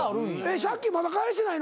借金まだ返してないの？